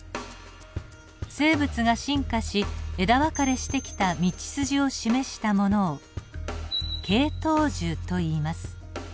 生物が進化し枝分かれしてきた道筋を示したものを系統樹といいます。